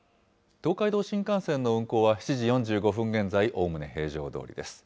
東海道新幹線の運行は７時４５分現在、おおむね平常どおりです。